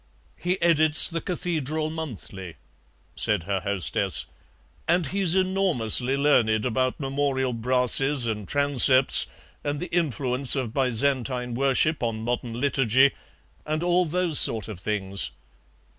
"He edits the CATHEDRAL MONTHLY," said her hostess, "and he's enormously learned about memorial brasses and transepts and the influence of Byzantine worship on modern liturgy, and all those sort of things.